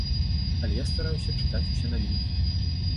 Але я стараюся чытаць усе навінкі.